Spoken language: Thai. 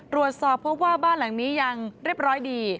ตรวจสอบพบว่าบ้านหลังนี้ยังเรียบร้อยดี